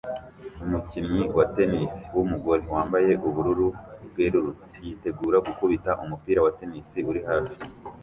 Umukinnyi wa tennis wumugore wambaye ubururu bwerurutse yitegura gukubita umupira wa tennis uri hafi